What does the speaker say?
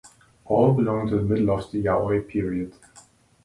All belong to the middle of the Yayoi period.